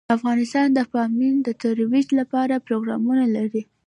افغانستان د پامیر د ترویج لپاره پروګرامونه لري.